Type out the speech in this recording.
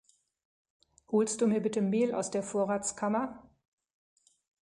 Holst du mir bitte Mehl aus der Vorratskammer?